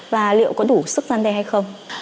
và liệu có đủ sức gian đe hay không